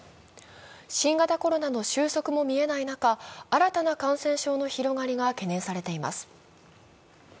新型コロナの収束も見えない中、新たな感染症の広がりが懸念されています。